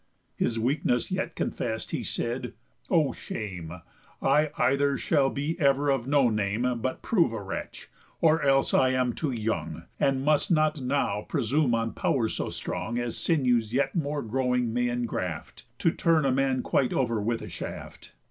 His weakness yet confess'd, he said: "O shame! I either shall be ever of no name, But prove a wretch; or else I am too young, And must not now presume on pow'rs so strong As sinews yet more growing may engraft, To turn a man quite over with a shaft.